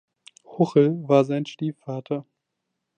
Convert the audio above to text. Huchel war sein Stiefvater.